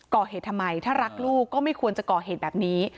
ก่อเหตุทำไมถ้ารักลูกก็ไม่ควรจะก่อเหตุแบบนี้